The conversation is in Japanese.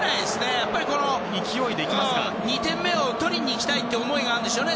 やっぱり、これは２点目を取りにいきたいという思いがあるんでしょうね